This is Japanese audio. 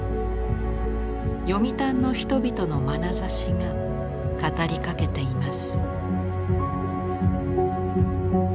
読谷の人々のまなざしが語りかけています。